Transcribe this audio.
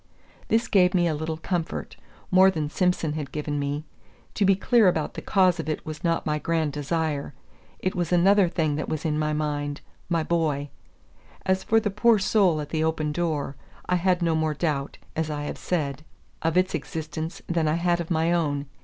This gave me a little comfort, more than Simson had given me. To be clear about the cause of it was not my grand desire. It was another thing that was in my mind, my boy. As for the poor soul at the open door, I had no more doubt, as I have said, of its existence than I had of my own.